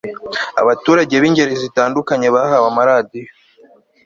abaturage b'ingeri zitandukanye bahawe amaradiyo